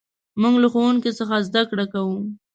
موږ له ښوونکي څخه زدهکړه کوو.